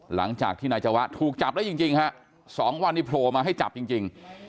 หลังจากที่นายจวะถูกจับได้จริงฮะ๒วันนี้โผล่มาให้จับจริง